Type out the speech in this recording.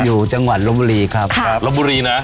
อยู่จังหวัดลมบุรีครับ